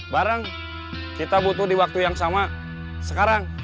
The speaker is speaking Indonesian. barang kita butuh di waktu yang sama sekarang